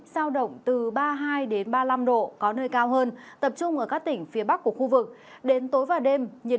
sao động từ ba mươi hai ba mươi năm độ có nơi cao hơn tập trung ở các tỉnh phía bắc của khu vực đến tối và đêm nhiệt